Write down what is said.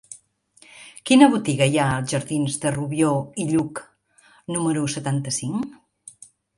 Quina botiga hi ha als jardins de Rubió i Lluch número setanta-cinc?